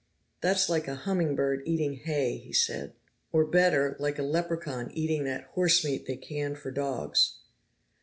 "That's like a humming bird eating hay!" he said. "Or better, like a leprechaun eating that horse meat they can for dogs."